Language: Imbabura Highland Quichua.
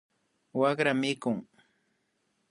Wakraka mikun